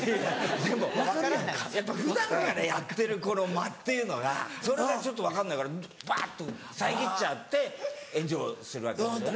でもやっぱ普段からやってるこの間っていうのがそれがちょっと分かんないからバッと遮っちゃって炎上するわけですよね。